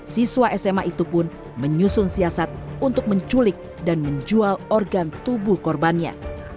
siswa sma itu pun menyusun siasat untuk menculik dan menjual organ tubuh korbannya